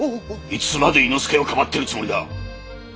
いつまで猪之助をかばってるつもりだ？